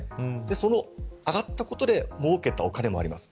その上がったことで儲けたお金もあります。